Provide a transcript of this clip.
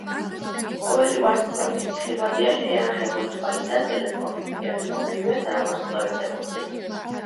ყოველი ვარსკვლავი, ხილვადია შეუიარაღებელი თვალით თუ ტელესკოპით, ერთ რომელიმე თანავარსკვლავედს ეკუთვნის.